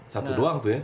satu doang tuh ya